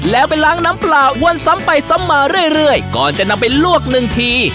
แล้วไปล้างน้ำเปล่าวนซ้ำไปซ้ำมาเรื่อยก่อนจะนำไปลวกหนึ่งที